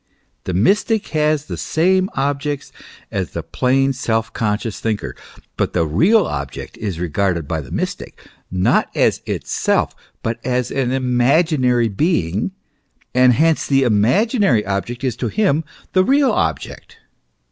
The mystic has the same objects as the plain, self conscious thinker ; but the real object is regarded by the mystic, not as itself, but as an imaginary being, and hence the imaginary object is to him the real object.